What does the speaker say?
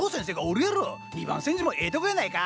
二番煎じもええとこやないか！